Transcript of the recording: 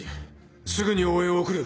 すぐに応援を送る！